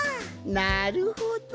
なるほど！